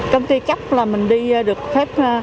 công ty cấp là mình đi được phép